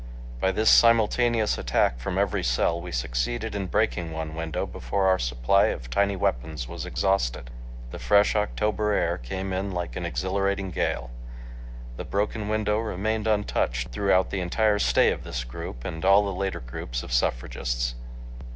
By this simultaneous attack from every cell, we succeeded in breaking one window before our supply of tiny weapons was exhausted. The fresh October air came in like an exhilarating gale. The broken window remained untouched throughout the entire stay of this group and all later groups of suffragists.